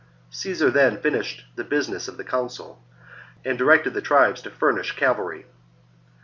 Caesar then finished the business of the council, and directed the tribes to furnish cavalry.